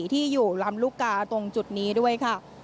ที่อยู่ลำลูกกาตรงจุดนี้ด้วยค่ะ